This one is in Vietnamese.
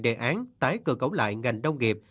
đề án tái cơ cấu lại ngành nông nghiệp